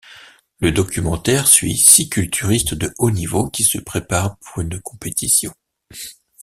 Le documentaire suit six culturistes de haut-niveau qui se préparent pour une compétition.